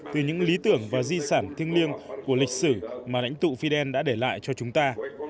từ những lý tưởng và di sản thiêng liêng của lịch sử mà lãnh tụ fidel đã để lại cho chúng ta